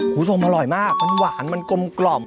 ขุโซมอร่อยมากมันหวานมันกลมกล่อม